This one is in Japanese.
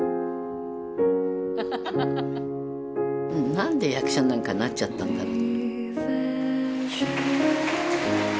何で役者なんかになっちゃったんだろう。